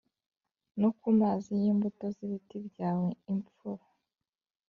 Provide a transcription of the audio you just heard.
no ku mazi y imbuto z ibiti byawe Imfura